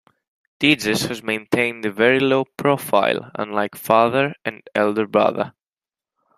Tejas has maintained a very low profile unlike father and elder brother.